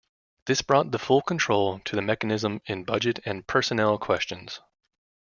This brought the full control to the mechanism in budget and personnel questions.